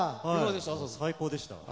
最高でしたよ。